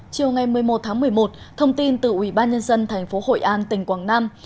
chiều ngày một mươi một tháng một mươi một thông tin từ ubnd tp hội an tỉnh quảng nam